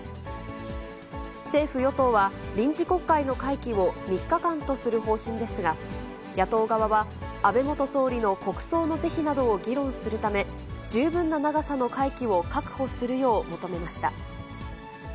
政府・与党は、臨時国会の会期を３日間とする方針ですが、野党側は、安倍元総理の国葬の是非などを議論するため、十分な長さの会期を確保するよう求めました。